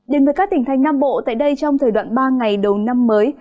đến với các tỉnh thành nam bộ tại đây trong thời đoạn ba ngày đầu năm mới